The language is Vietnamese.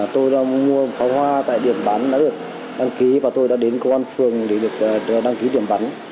tôi đã mua một pháo hoa tại điểm bắn đã được đăng ký và tôi đã đến công an phường để được đăng ký điểm bắn